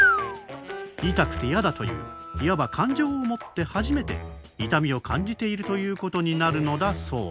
痛くて嫌だといういわば感情を持って初めて「痛みを感じている」ということになるのだそう。